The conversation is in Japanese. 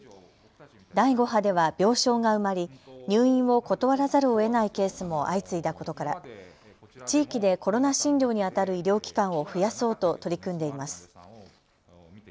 第５波では病床が埋まり、入院を断らざるをえないケースも相次いだことから地域でコロナ診療に当たる医療機関を増やそうと取り組んでいます。